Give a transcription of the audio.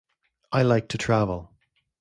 I like to travel.